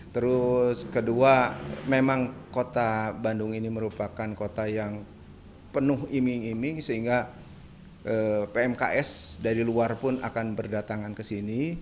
terus kedua memang kota bandung ini merupakan kota yang penuh iming iming sehingga pmks dari luar pun akan berdatangan ke sini